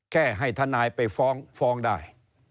แค่ให้ทนายไปฟ้องฟ้องได้